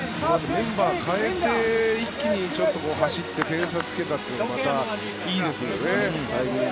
メンバーを代えて一気に走って点差をつけたというのがまたいいですよね。